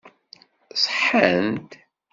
Ṣeḥḥant?